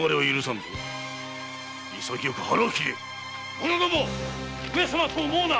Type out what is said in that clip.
者ども上様と思うな！